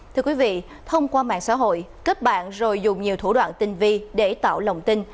thưa quý vị thông qua mạng xã hội kết bạn rồi dùng nhiều thủ đoạn tinh vi để tạo lòng tin